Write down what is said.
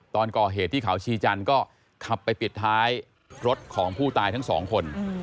ตอนก่อเหตุที่เขาชีจันทร์ก็ขับไปปิดท้ายรถของผู้ตายทั้งสองคน